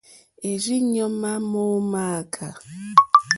È rzí ɲɔ́ ŋmá mó mááká.